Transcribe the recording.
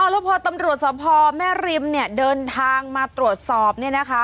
แล้วพอตำรวจสภแม่ริมเนี่ยเดินทางมาตรวจสอบเนี่ยนะคะ